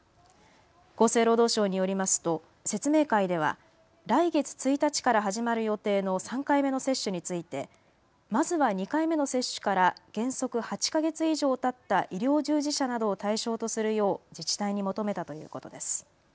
厚生労働省によりますと説明会では来月１日から始まる予定の３回目の接種についてまずは２回目の接種から原則８か月以上たった医療従事者などを対象とするよう自治体に求めたということです。